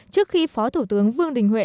trước khi phó thủ tướng vương đình huệ